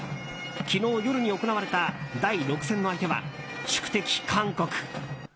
昨日夜に行われた第６戦の相手は宿敵・韓国。